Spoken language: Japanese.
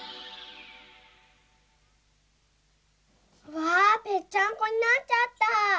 わぺっちゃんこになっちゃった！